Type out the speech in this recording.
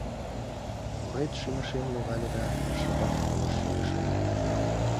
Мурет шӱмешем логале да, шыпак колышт шогышым.